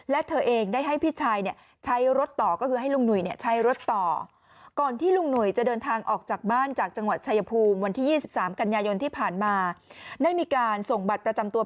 และเธอเองได้ให้พี่ชายใช้รถต่อก็คือให้ลุงหนุ่ยใช้รถต่อ